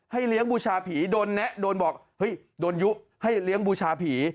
เลี้ยงบูชาผีโดนแนะโดนบอกเฮ้ยโดนยุให้เลี้ยงบูชาผี